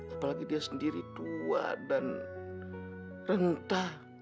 apalagi dia sendiri tua dan rentah